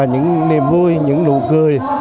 những niềm vui những nụ cười